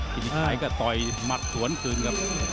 พี่ชัยก็ต่อยหมทสวนจนครับ